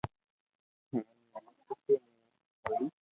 ھين ۾ خوݾ بي ھويو